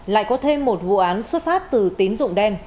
lại có thêm một vụ án xuất phát từ tín dụng đen